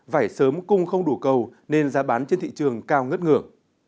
vải sớm cung không đủ cầu nên giá bán trên thị trường cao ngất ngửa